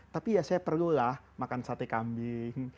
tapi ya saya perlulah makan sate kambing